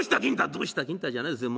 「どうした金太じゃないですよ。